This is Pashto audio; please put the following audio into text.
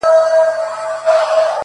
د ژوند د قدر تلاوت به هر سا کښ ته کوم-